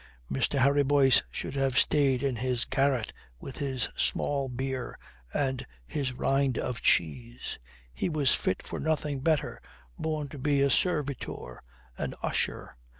Mr. Harry Boyce should have stayed in his garret with his small beer and his rind of cheese. He was fit for nothing better, born to be a servitor, an usher.